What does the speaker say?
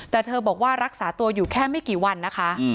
แต่เธอบอกว่ารักษาตัวอยู่แค่ไม่กี่วันนะคะ